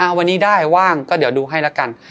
อะไว้นี่ได้ว่างก็จะดูให้ละกัน